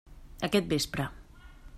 Aquest vespre.